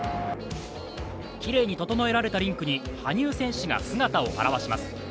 きれいに整えられたリンクに羽生選手が姿を現します。